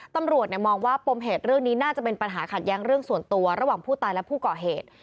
ตำรวจมองว่าปมเหตุเรื่องนี้น่าจะเป็นปัญหาขัดแย้งเรื่องส่วนตัวระหว่างผู้ตายและผู้ก่อเหตุ